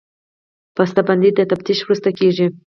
بسته بندي د تفتیش وروسته کېږي.